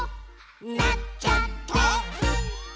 「なっちゃった！」